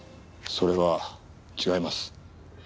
それは違います。